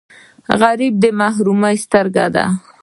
غریب د محرومۍ سترګه ده